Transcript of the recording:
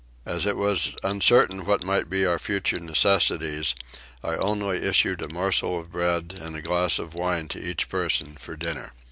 As it was uncertain what might be our future necessities I only issued a morsel of bread and a glass of wine to each person for dinner.